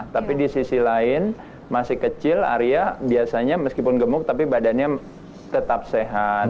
tapi di sisi lain masih kecil arya biasanya meskipun gemuk tapi badannya tetap sehat